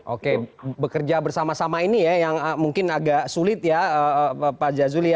oke bekerja bersama sama ini ya yang mungkin agak sulit ya pak jazuli